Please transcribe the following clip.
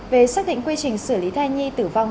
về xác định quy trình xử lý thai nhi tử vong